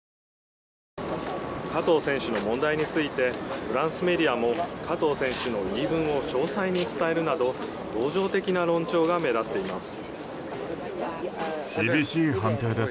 加藤選手の問題についてフランスメディアも加藤選手の言い分を詳細に伝えるなど同情的な論調が目立っています。